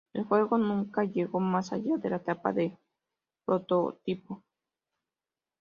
El juego nunca llegó más allá de la etapa de prototipo.